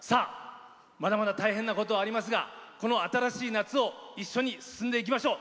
まだまだ大変なこともありますがこの新しい夏を一緒に進んでいきましょう。